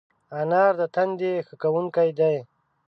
انار د تندي ښه کوونکی دی.